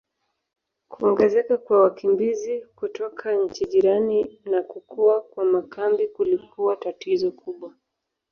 Kuongezeka kwa wakimbizi kutoka nchi jirani na kukua kwa makambi kulikuwa tatizo kubwa.